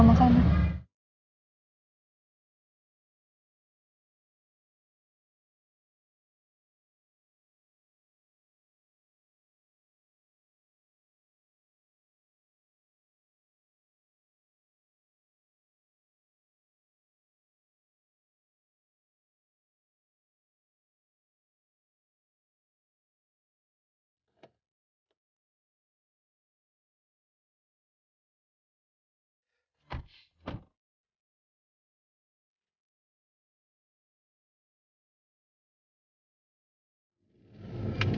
dan aku juga mau ngomong sama sama